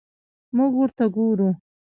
موږ ورته ګورو.